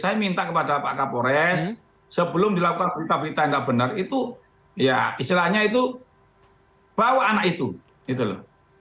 saya minta kepada pak kapolres sebelum dilakukan berita berita yang tidak benar itu ya istilahnya itu bawa anak itu gitu loh